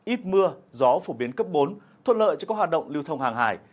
ít mưa gió phổ biến cấp bốn thuận lợi cho các hoạt động lưu thông hàng hải